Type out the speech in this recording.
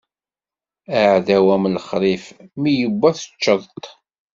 Aɛdaw am lexṛif mi iwwa teččeḍ-t.